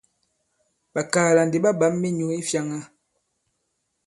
Ɓàkaala ndi ɓa ɓǎm minyǔ i fyāŋā.